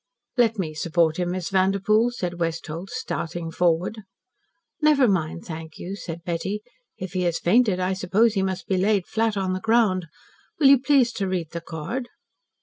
"Let me support him, Miss Vanderpoel," said Westholt, starting forward. "Never mind, thank you," said Betty. "If he has fainted I suppose he must be laid flat on the ground. Will you please to read the card."